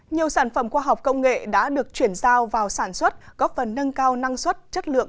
nhiều sản phẩm khoa học công nghệ đã được chuyển giao vào sản xuất góp phần nâng cao năng suất chất lượng